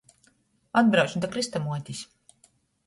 Atbrauču da krystamuotis.